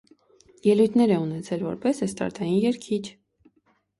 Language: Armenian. Ելույթներ է ունեցել որպես էստրադային երգիչ։